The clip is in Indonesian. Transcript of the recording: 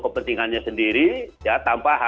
kepentingannya sendiri ya tanpa